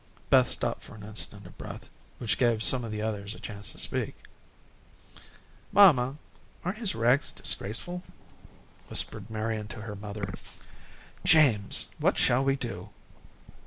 Beth stopped an instant for breath, which gave some of the others a chance to speak. "Mamma, aren't his rags disgraceful?" whispered Marian to her mother. "James, what shall we do?"